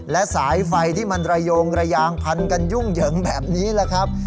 และสายไฟที่มันระโยงระยางพันกันยุ่งเหยิงแบบนี้แหละครับ